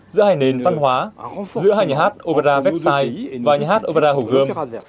giữa hai nền văn hóa giữa hai nhà hát opera veside và nhà hát opera hồ gươm